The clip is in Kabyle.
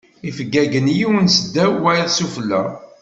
Ifeggagen yiwen s ddaw wayeḍ sufella.